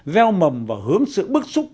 gieo mầm và hướng sự bức xúc